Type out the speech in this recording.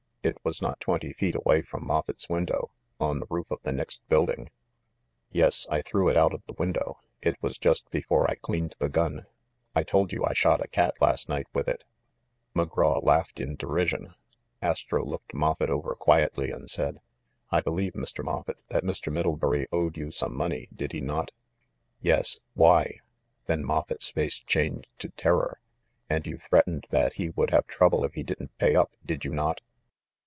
"It was not twenty feet away from Moffett's window, on the roof of the next build ing." "Yes, I threw it out of the window. It was just before I cleaned the gun. I told you I shot a cat last night with it." 400 THE MASTER OF MYSTERIES McGraw laughed in derision. Astro looked Moffett over quietly and said. "I be lieve, Mr. Moffett, that Mr. Middlebury owed you some money, did he not?" "Yes— why?" Then Moffett's face changed to ter ror. "And you threatened that he would have trouble if he didn't pay up, did you not